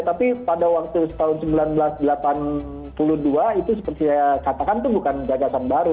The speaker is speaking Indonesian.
tapi pada waktu tahun seribu sembilan ratus delapan puluh dua itu seperti saya katakan itu bukan gagasan baru